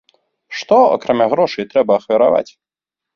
Што, акрамя грошай, трэба ахвяраваць?